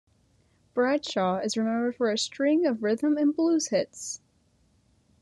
Bradshaw is remembered for a string of rhythm and blues hits.